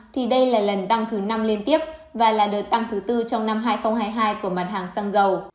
thì đây là lần tăng thứ năm liên tiếp và là đợt tăng thứ tư trong năm hai nghìn hai mươi hai của mặt hàng xăng dầu